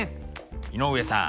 井上さん。